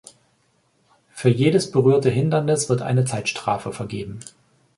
Für jedes berührte Hindernis wird eine Zeitstrafe vergeben.